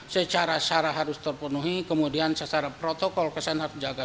secara syarat harus terpenuhi kemudian secara protokol kesehatan harus dijaga